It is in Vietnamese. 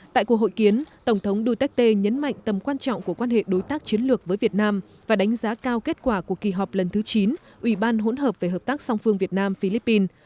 tại cuộc hội kiến tổng thống duterte nhấn mạnh tầm quan trọng của quan hệ đối tác chiến lược với việt nam và đánh giá cao kết quả của kỳ họp lần thứ chín ủy ban hỗn hợp về hợp tác song phương việt nam philippines